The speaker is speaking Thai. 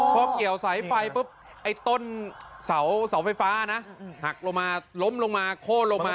พอเกี่ยวสายไฟปุ๊บไอ้ต้นเสาไฟฟ้านะหักลงมาล้มลงมาโค้นลงมา